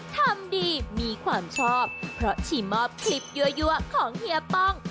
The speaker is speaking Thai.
ทำดีมีความชอบเพราะชีมอบคลิปยั่วของเฮียป้อง